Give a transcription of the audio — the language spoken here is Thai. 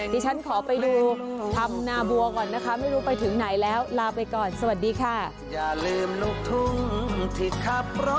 ดิฉันขอไปดูธรรมนาบัวก่อนนะคะไม่รู้ไปถึงไหนแล้วลาไปก่อนสวัสดีค่ะ